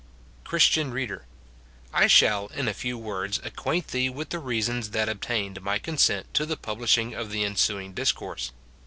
Cheistian Reader, — T shall in a few words acquaint thee with the reasons that obtained my consent to the publishing of the ensuing dis course.